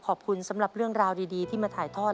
ขอบคุณสำหรับเรื่องราวดีที่มาถ่ายทอด